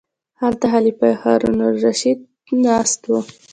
هلته خلیفه هارون الرشید ناست و.